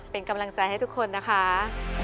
เป็นกำลังใจให้ทุกคนนะคะ